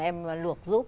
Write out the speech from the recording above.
em luộc giúp